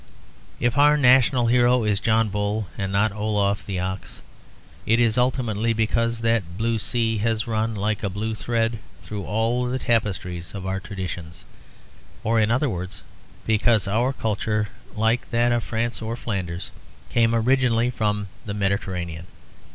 If our national hero is John Bull and not Olaf the Ox, it is ultimately because that blue sea has run like a blue thread through all the tapestries of our traditions; or in other words because our culture, like that of France or Flanders, came originally from the Mediterranean.